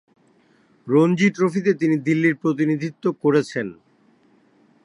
রঞ্জি ট্রফিতে তিনি দিল্লির প্রতিনিধিত্ব করেছেন।